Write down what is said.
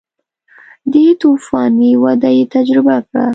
دې توفاني وده یې تجربه کړه